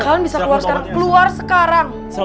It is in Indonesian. kalian bisa keluar sekarang keluar sekarang